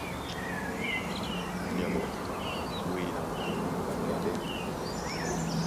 Búnyá ɓɔɔ́ wêy na ŋgɔ̌ ɓá tá ɓá ɓɛ́nɛ́ penda.